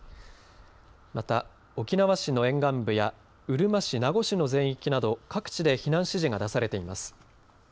また沖縄市の沿岸部やうるま市、名護市の全域など各地で避難指示が出されています。